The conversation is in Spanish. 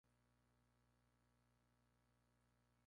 En ese momento, ya había ganado su licenciatura en botánica.